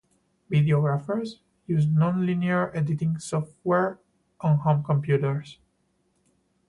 Videographers use non-linear editing software on home computers.